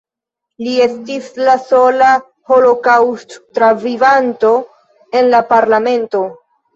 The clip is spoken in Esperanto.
Li estis la sola holokaŭst-travivanto en la parlamento.